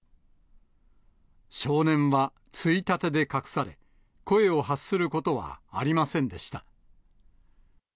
少年はついたてで隠され、声を発することはありませんでした。